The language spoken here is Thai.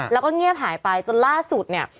แล้วก็เงียบหายไปจนล่าสุดเนี่ย